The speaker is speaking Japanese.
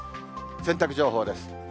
洗濯情報です。